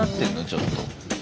ちょっと。